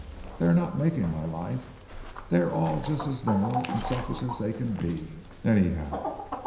They are not making my life. They are all just as narrow and selfish as they can be, anyhow.